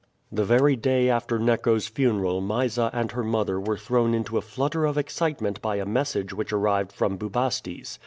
The very day after Neco's funeral Mysa and her mother were thrown into a flutter of excitement by a message which arrived from Bubastes.